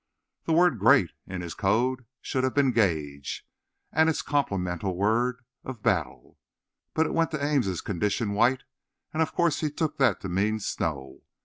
The word "great" in his code should have been "gage," and its complemental words "of battle." But it went to Ames "conditions white," and of course he took that to mean snow.